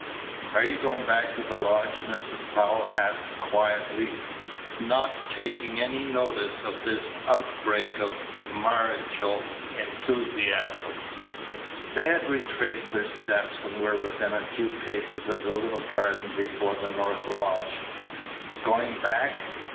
"Are you going back to the lodge?" Mrs. Powell asked quietly, not taking any notice of this outbreak of marital enthusiasm. They had retraced their steps, and were within a few paces of the little garden before the north lodge. "Going back?"